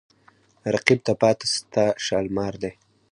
رقیب ته پاته ستا شالمار دی